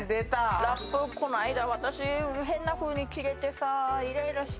ラップ、この間私、変な風に切れてさイライラした。